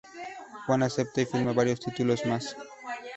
Juan acepta y filma varios títulos más.